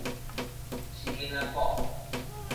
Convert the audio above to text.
死囡仔脯